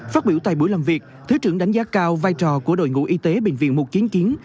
phát biểu tại buổi làm việc thứ trưởng đánh giá cao vai trò của đội ngũ y tế bệnh viện mục kiến kiến